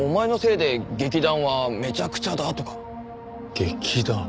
劇団。